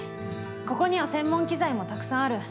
ここには専門機材もたくさんある。